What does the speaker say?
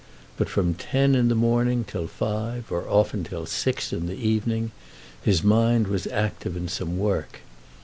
But from ten in the morning till five, or often till six, in the evening, his mind was active in some work.